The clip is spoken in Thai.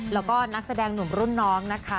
แล้วก็นักแสดงหนุ่มรุ่นน้องนะคะ